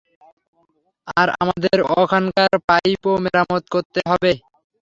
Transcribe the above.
আর আমাদের ওখানকার পাইপও মেরামত করতে হবে।